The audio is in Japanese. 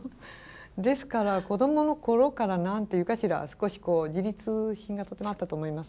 ですから子どもの頃から何て言うかしら少し自立心がとてもあったと思いますね。